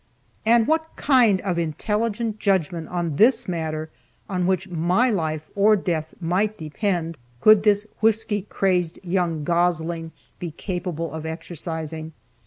And what kind of intelligent judgment on this matter, on which my life or death might depend, could this whisky crazed young gosling be capable of exercising?